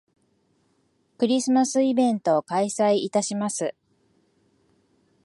クリスマスイベントを開催いたします